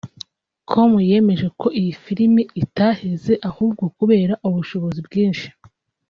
com yemeje ko iyi filime itaheze ahubwo kubera ubushobozi bwinshi